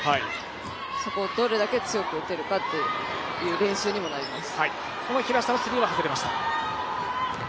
そこをどれだけ強く打てるかという練習にもなります。